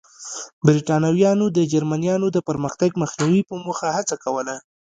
برېټانویانو د جرمنییانو د پرمختګ مخنیوي په موخه هڅه کوله.